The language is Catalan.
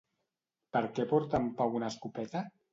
Per què porta en Pau una escopeta?